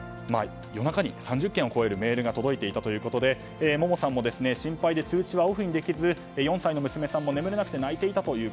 夜中に３０件を超えるメールが届いていたということでももさんも心配で通知はオフにできず４歳の娘さんも眠れなくて泣いていたと。